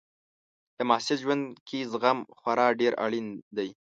د محصل ژوند کې زغم خورا ډېر اړین دی.